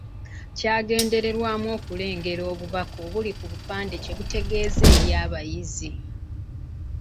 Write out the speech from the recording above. Kwagendererwamu okulengera obubaka obuli ku bupande kye butegeeza eri abayizi.